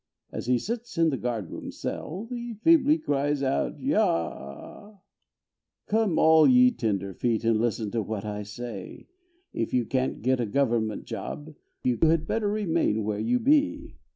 As he sits in the guard room cell, He feebly cries out "yah"! Come all ye tenderfeet And listen to what I say, If you can't get a government job You had better remain where you be.